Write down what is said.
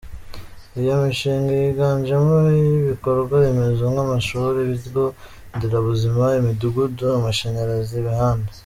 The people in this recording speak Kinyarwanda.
Iyo mishinga yiganjemo iy’ibikorwa remezo nk’amashuri, ibigo nderabuzima, imidugudu, amashanyarazi, imihanda;”.